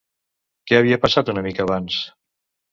Què havia passat una mica abans?